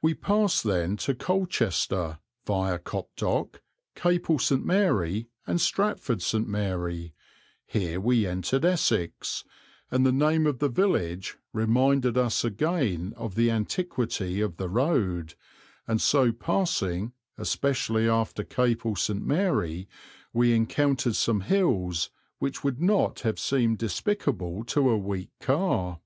We passed then to Colchester viâ Copdock, Capel St. Mary, and Stratford St. Mary here we entered Essex, and the name of the village reminded us again of the antiquity of the road and so passing, especially after Capel St. Mary, we encountered some hills which would not have seemed despicable to a weak car.